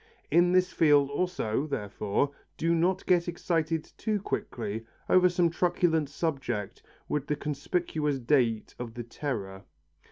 In this field also, therefore, do not get excited too quickly over some truculent subject with the conspicuous date of the Terror.